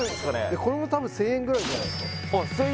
これも多分１０００円ぐらいじゃないっすか？